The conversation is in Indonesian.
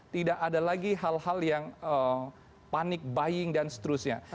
tidak ada lagi hal hal yang panik buying dan seterusnya